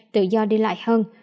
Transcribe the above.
tự do đi lại hơn